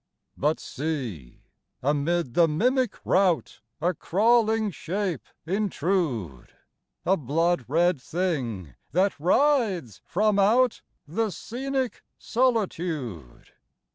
But see, amid the mimic routA crawling shape intrude!A blood red thing that writhes from outThe scenic solitude!